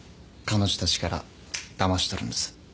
彼女たちからだまし取るんです